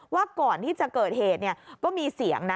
ว่าก่อนที่จะเกิดเหตุก็มีเสียงนะ